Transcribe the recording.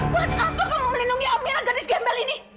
buat apa kamu melindungi amira gadis gembel ini